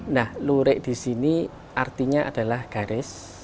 nah lurik di sini artinya adalah garis